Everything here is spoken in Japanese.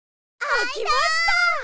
あきました！